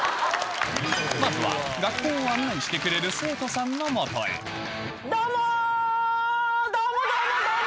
まずは学校を案内してくれる生徒さんの元へどうもどうもどうもどうも！